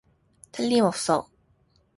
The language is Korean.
틀림없어.